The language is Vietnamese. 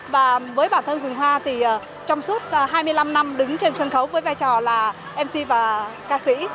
và với bản thân vườn hoa thì trong suốt hai mươi năm năm đứng trên sân khấu với vai trò là mc và ca sĩ